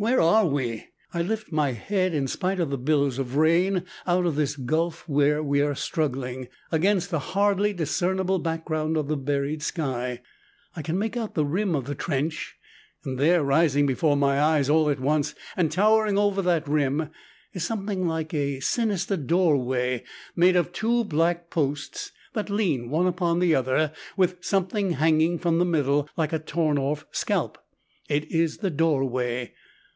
Where are we? I lift my head, in spite of the billows of rain, out of this gulf where we are struggling. Against the hardly discernible background of the buried sky, I can make out the rim of the trench; and there, rising before my eyes all at once and towering over that rim, is something like a sinister doorway, made of two black posts that lean one upon the other, with something hanging from the middle like a torn off scalp. It is the doorway.